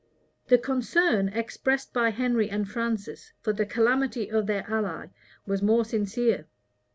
The concern expressed by Henry and Francis for the calamity of their ally was more sincere.